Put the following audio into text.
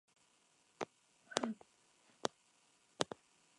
Su presencia es incierta en Perú y Brasil.